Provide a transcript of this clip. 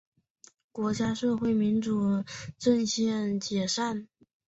国家社会民主阵线解散。